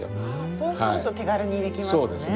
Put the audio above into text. そうすると手軽にできますね。